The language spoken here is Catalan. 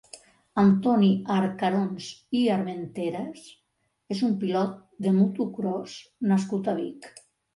Antoni Arcarons i Armenteras és un pilot de motocròs nascut a Vic.